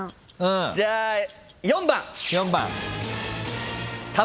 じゃあ４番。